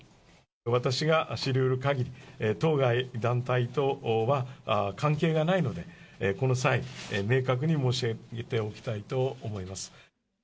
私が知りうるかぎり、当該団体とは関係がないので、この際、明確に申し上げておきたいと思います。